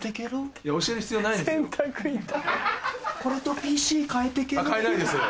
これとＰＣ換えてけろ。